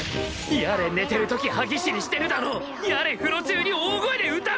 やれ寝てる時歯ぎしりしてるだのやれ風呂中に大声で歌ってるだの！！